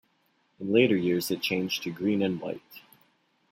In later years it changed to green and white.